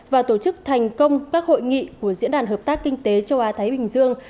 và tổ chức thành công các hội nghị của diễn đàn hợp tác kinh tế châu á thái bình dương